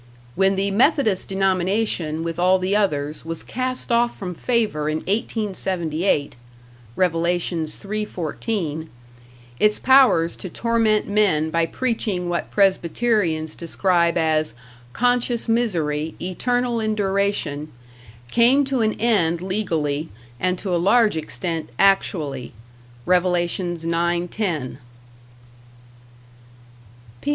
When the Methodist denomination, with all the others, was cast off from favor in 1878 (Rev. 3:14) its powers to torment men by preaching what Presbyterians describe as "Conscious misery, eternal in duration" came to an end legally, and to a large extent actually. Rev. 9:10. P.